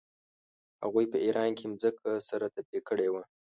هغوی په ایران کې مځکه سره تبې کړې وه.